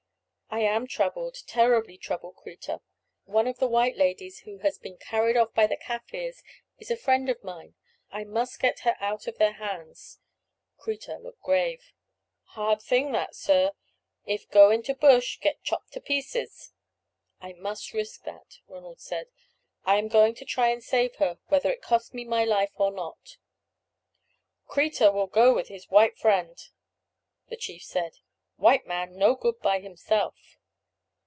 "I am troubled, terribly troubled, Kreta. One of the white ladies who has been carried off by the Kaffirs is a friend of mine. I must get her out of their hands." Kreta looked grave. "Hard thing that, sir. If go into bush get chopped to pieces." "I must risk that," Ronald said; "I am going to try and save her, whether it costs me my life or not." "Kreta will go with his white friend," the chief said; "white man no good by himself."